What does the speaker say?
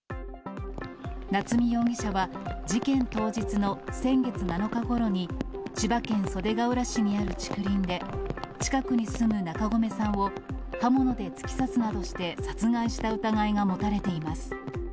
夏見容疑者は、事件当日の先月７日ごろに、千葉県袖ケ浦市にある竹林で、近くに住む中込さんを、刃物で突き刺すなどして殺害した疑いが持たれています。